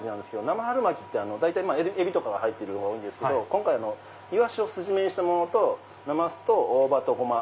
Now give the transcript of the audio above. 生春巻きってエビとかが入ってるのが多いんですけど今回イワシを酢締めにしたものとなますと大葉とごま。